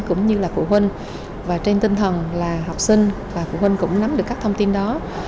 cũng như là phụ huynh và trên tinh thần là học sinh và phụ huynh cũng nắm được các thông tin đó